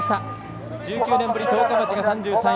１９年ぶり十日町が３３位。